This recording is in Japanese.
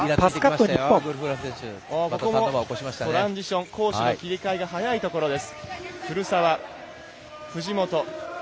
トランジション攻守の切り替えが早いところです。